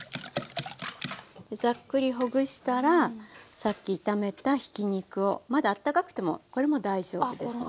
ザックリほぐしたらさっき炒めたひき肉をまだあったかくてもこれも大丈夫ですので。